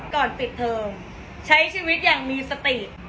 ก่อนปิดเทอมใช้ชีวิตอย่างมีสติ